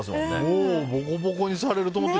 もうボコボコにされると思って。